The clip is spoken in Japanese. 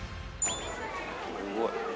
すごい！